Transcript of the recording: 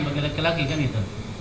begitu lagi kan itu